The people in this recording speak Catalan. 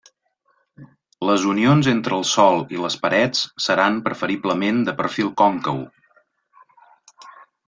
Les unions entre el sòl i les parets seran preferiblement de perfil còncau.